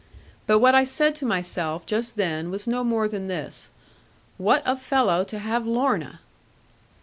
But what I said to myself, just then, was no more than this: 'What a fellow to have Lorna!'